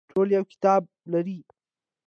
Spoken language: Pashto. ټول یو کتاب لري